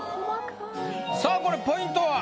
さあこれポイントは？